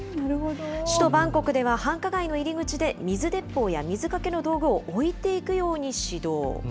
首都バンコクでは、繁華街の入り口で水鉄砲や水かけの道具を置いていくように指導。